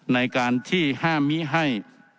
ในการที่ห้ามมิให้